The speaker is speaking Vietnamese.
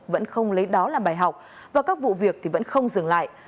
vẫn không lấy đó làm bài học và các vụ việc thì vẫn không dừng lại